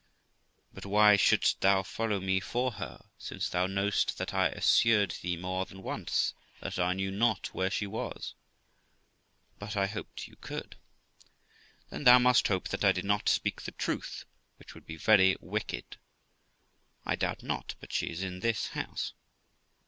] Qu. But why shouldst thou follow me for her, since thou know'st that I assured thee more than once that I knew not where she was? Girl. But I hoped you could. Qu. Then thou must hope that I did not speak the truth, which would be very wicked. Girl. I doubt not but she is in this house.